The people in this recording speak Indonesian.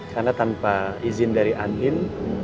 karena tanpa izin dari andin